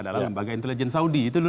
lembaga intelijen saudi